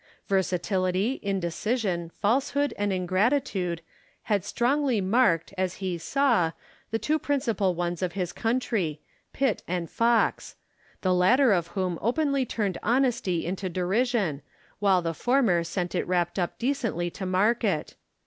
Versatility, indecision, falsehood, and ingratitude, had 142 IMA GIN A R V CON VERS A TIONS. strongly mai ked, as he paw, the two principal ones of his country, Pitt and Fox ; the latter of whom openly turned honesty into derision, while the former sent it wrapped up decently to market.